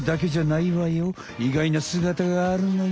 いがいなすがたがあるのよ。